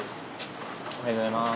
おはようございます。